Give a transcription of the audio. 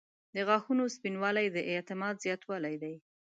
• د غاښونو سپینوالی د اعتماد زیاتوالی دی.